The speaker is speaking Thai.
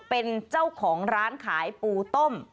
เป็นเจ้าของร้านขายปูต้ม